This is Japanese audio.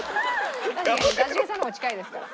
一茂さんの方が近いですから。